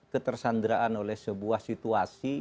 ketersandraan oleh sebuah situasi